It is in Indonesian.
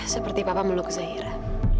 seperti papa meluk zaira